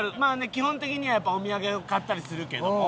基本的にはやっぱお土産を買ったりするけども。